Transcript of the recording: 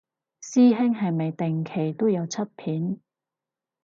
師兄係咪定期都有出片